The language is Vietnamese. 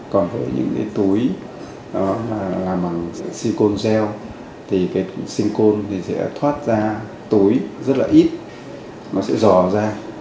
còn với những túi làm bằng sinh côn gel thì sinh côn sẽ thoát ra túi rất là ít nó sẽ dò ra